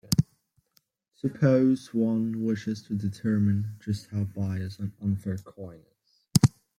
Suppose one wishes to determine just how biased an unfair coin is.